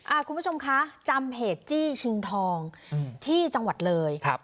คุณผู้ชมคะจำเหตุจี้ชิงทองอืมที่จังหวัดเลยครับ